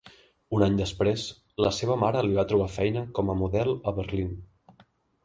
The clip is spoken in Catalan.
Un any després, la seva mare li va trobar feina com a model a Berlín.